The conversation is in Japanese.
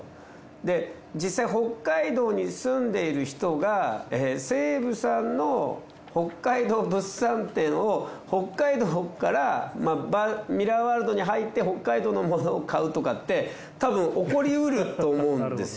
で実際北海道に住んでいる人が西武さんの北海道物産展を北海道からミラーワールドに入って北海道のものを買うとかってたぶん起こりうると思うんですよね。